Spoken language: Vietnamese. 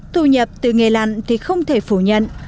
thu nhập từ nghề lặn thì không thể phủ nhận